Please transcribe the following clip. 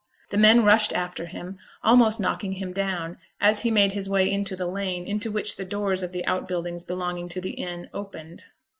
The men rushed after him, almost knocking him down, as he made his way into the lane into which the doors of the outbuildings belonging to the inn opened.